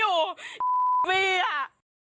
อยู่มีอ่ะ